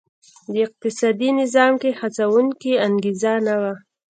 د اقتصادي نظام کې هڅوونکې انګېزه نه وه.